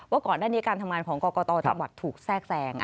ก่อนหน้านี้การทำงานของกรกตจังหวัดถูกแทรกแทรง